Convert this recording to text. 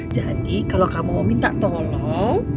jadi kalau kamu mau minta tolong